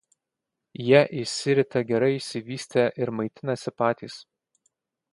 Jie išsirita gerai išsivystę ir maitinasi patys.